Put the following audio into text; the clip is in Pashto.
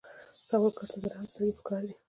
سوالګر ته د رحم سترګې پکار دي